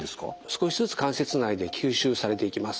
少しずつ関節内で吸収されていきます。